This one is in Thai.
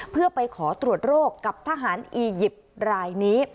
เพื่อไปขอตรวจโรคกับทหารอียิปต์รายนี้